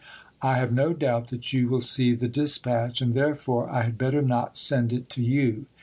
I have no doubt that you will see the dispatch, and therefore I had better not send it to you."